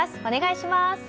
お願いします。